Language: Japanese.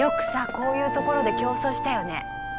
こういうところで競争したよね。